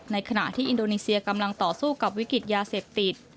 ขณะที่อินโดนีเซียกำลังต่อสู้กับวิกฤตยาเสพติด